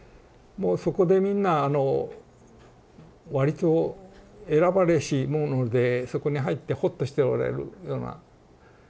もうそこでみんなあの割と選ばれし者でそこに入ってほっとしておられるような。